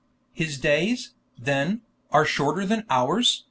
"His days, then, are shorter than ours?"